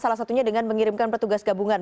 salah satunya dengan mengirimkan petugas gabungan